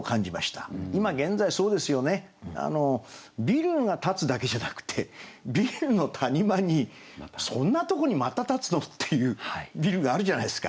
ビルが建つだけじゃなくてビルの谷間にそんなとこにまた建つの？っていうビルがあるじゃないですか。